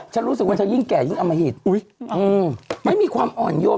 ฉันรู้สึกว่าเธอยิ่งแก่ยิ่งอมหิตไม่มีความอ่อนโยม